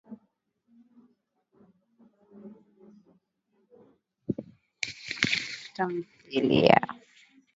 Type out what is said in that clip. Viashiria vyote vinavyopatikana kwetu katika umoja wa Mataifa na muungano wa Afrika.